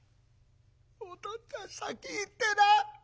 お父っつぁん先逝ってらあ。